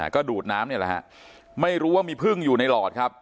ก็ดูดน้ำนี่แหละฮะไม่รู้ว่ามีพึ่งอยู่ในหลอดครับ